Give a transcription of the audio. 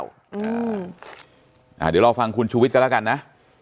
เดี๋ยวรอฟังคุณชูวิทย์กันแล้วกันนะ